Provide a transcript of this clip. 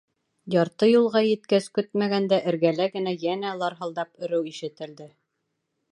Ярты юлға еткәс, көтмәгәндә эргәлә генә йәнә ларһылдап өрөү ишетелде.